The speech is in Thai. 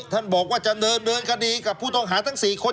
ท่านบอกว่าจะเดินเดินคดีกับผู้ต้องหาทั้ง๔คน